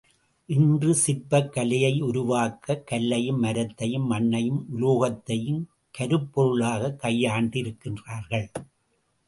இன்று சிற்பக் கலையை உருவாக்க கல்லையும், மரத்தையும், மண்ணையும், உலோகத்தையும் கருப் பொருளாகக் கையாண்டிருக்கிறார்கள்.